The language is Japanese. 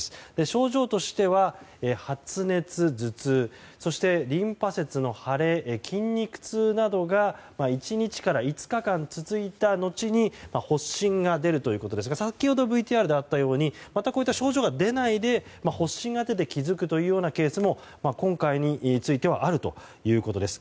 症状としては発熱、頭痛、リンパ節の腫れ筋肉痛などが１日から５日間続いた後に発疹が出るということですが先ほどＶＴＲであったようにこういった症状が出ないで発疹が出て気づくというケースも今回についてはあるということです。